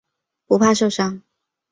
不怕受伤。